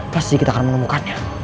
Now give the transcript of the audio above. pasti kita akan menemukannya